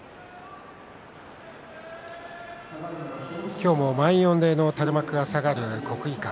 今日も満員御礼の垂れ幕が下がる国技館。